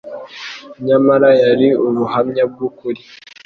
nyamara yari ubuhamya bw'ukuri.